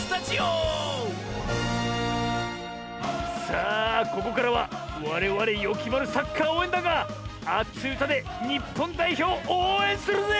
さあここからはわれわれよきまるサッカーおうえんだんがあついうたで日本代表をおうえんするぜ！